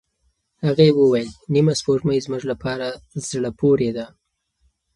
هغې وویل، نیمه سپوږمۍ زموږ لپاره زړه پورې ده.